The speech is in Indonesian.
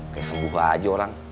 kayak sembuh aja orang